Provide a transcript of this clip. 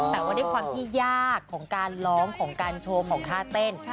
แต่ว่าด้วยความที่ยากของการร้องของการโชว์ของท่าเต้น